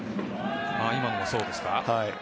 今のもそうでしたか？